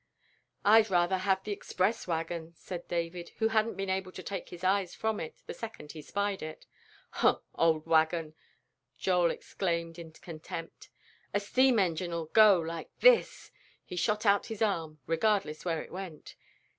"I'd rather have the express wagon," said David, who hadn't been able to take his eyes from it, the second he spied it. "Huh, old wagon!" Joel exclaimed in contempt; "a steam engine'll go, like this!" He shot out his arm, regardless where it went.